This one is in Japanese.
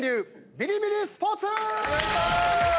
ビリビリスポーツ！